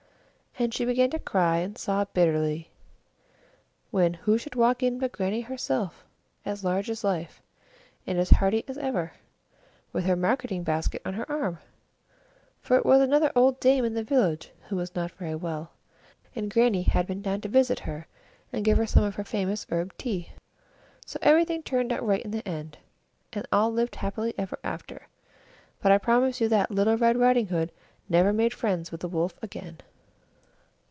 And she began to cry and sob bitterly when, who should walk in but Grannie herself, as large as life, and as hearty as ever, with her marketing basket on her arm! For it was another old dame in the village who was not very well, and Grannie had been down to visit her and give her some of her own famous herb tea. So everything turned out right in the end, and all lived happily ever after; but I promise you that little Red Riding Hood never made friends with a Wolf again!